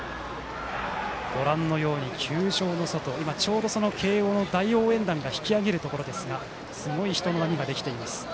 ご覧のように球場の外慶応の大応援団がちょうど引き揚げるところですがすごい人の波ができています。